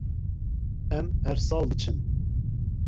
Em her sal diçin.